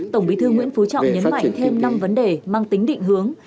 tổng bí thư nguyễn phú trọng nhấn mạnh thêm năm vấn đề mang tính định hướng